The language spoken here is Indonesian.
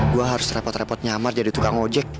gue harus repot repot nyamar jadi tukang ojek